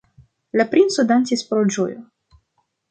La princo dancis pro ĝojo.